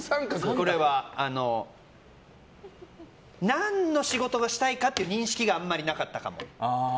何の仕事をしたいかという認識があまりなかったかも。